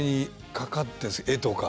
絵とか。